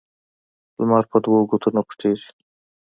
لمر په دوو ګوتو نه پټيږي.